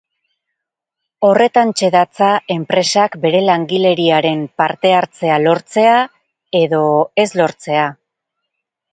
Horretantxe datza enpresak bere langileriaren parte-hartzea lortzea edo ez lortzea.